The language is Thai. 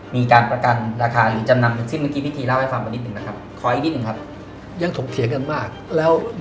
มีการประกันราคาอยู่จำนำ